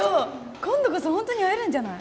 今度こそホントに会えるんじゃない？